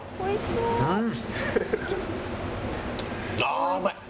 うん！